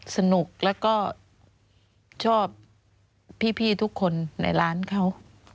สนุกแล้วก็ชอบพี่ทุกคนในร้านเขา